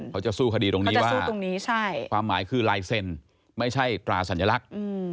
เขาจะสู้คดีตรงนี้ว่าปรากฏคือไลเซ็นไม่ใช่กราศัลยลักษ์